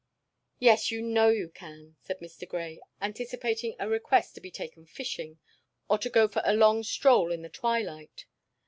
"Yes, you know you can," said Mr. Grey, anticipating a request to be taken fishing, or to go for a long stroll in the twilight.